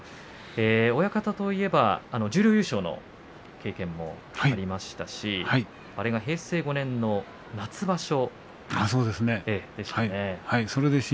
親方といえば十両優勝の経験もありましたしあれが平成５年の夏場所。